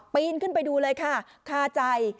ปีนขึ้นไปดูเลยค่ะคาใจ